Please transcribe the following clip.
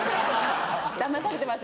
だまされてますよ。